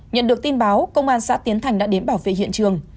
nhận được tin báo công an xã tiến thành đã đến bảo vệ hiện trường